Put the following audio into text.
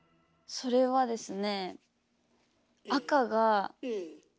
それはですね